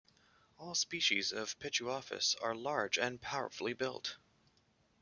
All species of "Pituophis" are large and powerfully built.